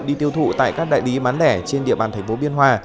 đi tiêu thụ tại các đại lý bán lẻ trên địa bàn thành phố biên hòa